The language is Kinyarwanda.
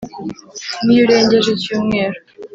n’iyo urengeje icyumweru